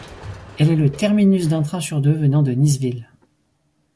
Elle est le terminus d'un train sur deux venant de Nice-Ville.